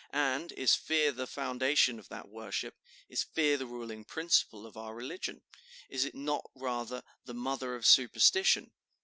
And is fear the foundation of that worship? Is fear the ruling principle of our religion? Is it not rather the mother of superstition?